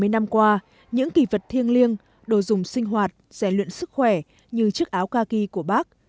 bảy mươi năm qua những kỳ vật thiêng liêng đồ dùng sinh hoạt rẻ luyện sức khỏe như chiếc áo khaki của bác